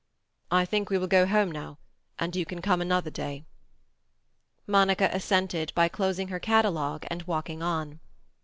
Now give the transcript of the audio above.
"I think we will go home now, and you can come another day." Monica assented by closing her catalogue and walking on.